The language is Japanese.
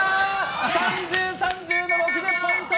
３０・３０で６０ポイント！